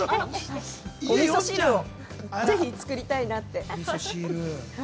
お味噌汁をぜひ作りたいなって。